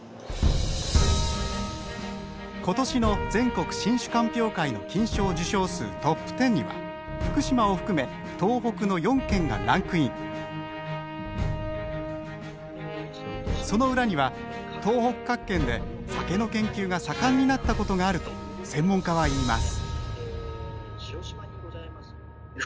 今年の全国新酒鑑評会の金賞受賞数トップ１０には福島を含め東北の４県がランクインその裏には東北各県で酒の研究が盛んになったことがあると専門家はいいます